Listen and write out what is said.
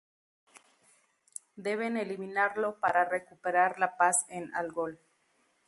Deben eliminarlo para recuperar la paz en Algol.